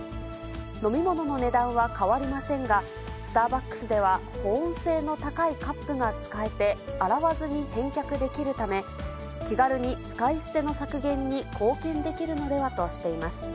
飲み物の値段は変わりませんが、スターバックスでは、保温性の高いカップが使えて、洗わずに返却できるため、気軽に使い捨ての削減に貢献できるのではとしています。